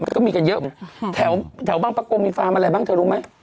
มันก็มีกันเยอะแถวบางประกงมีฟาร์มอะไรบ้างเธอรู้ไหม